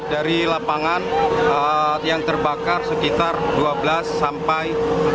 dari lapangan yang terbakar sekitar dua belas sampai